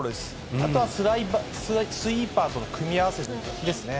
あとはスイーパーとの組み合わせですね。